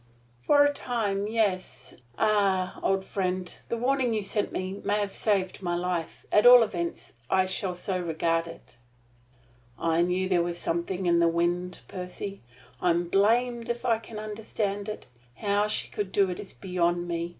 "For a time, yes. Ah, old friend, the warning you sent me may have saved my life. At all events, I shall so regard it." "I knew there was something in the wind, Percy. I'm blamed if I can understand it. How she can do it is beyond me.